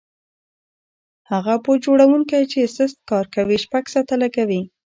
هغه بوټ جوړونکی چې سست کار کوي شپږ ساعته لګوي.